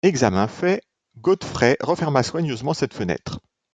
Examen fait, Godfrey referma soigneusement cette fenêtre.